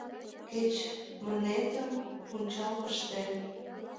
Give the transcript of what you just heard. Кеч мынетым пунчал пыште...